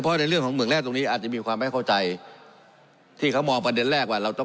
เพราะในเรื่องของเมืองแรกตรงนี้อาจจะมีความไม่เข้าใจที่เขามองประเด็นแรกว่าเราต้อง